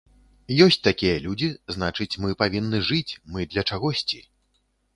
Ёсць такія людзі, значыць мы павінны жыць, мы для чагосьці.